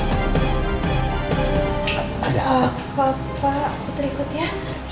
pak pak pak putri ikut ya